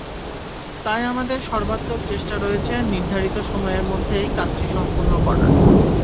তাই আমাদের সর্বাত্মক চেষ্টা রয়েছে নির্ধারিত সময়ের মধ্যেই কাজটি সম্পন্ন করার।